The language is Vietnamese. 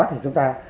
thì chúng ta